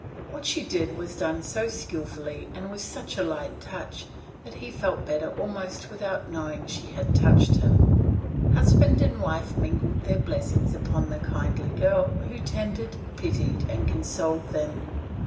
What she did was done so skilfully and with such a light touch that he felt better almost without knowing she had touched him. Husband and wife mingled their blessings upon the kindly girl who tended, pitied, and consoled them.